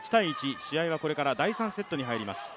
試合はこれから第３セットに入ります。